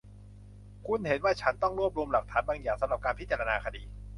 คุณเห็นว่าฉันต้องรวบรวมหลักฐานบางอย่างสำหรับการพิจารณาคดี